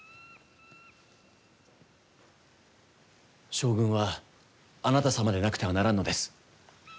将軍はあなた様でなくてはならぬのです。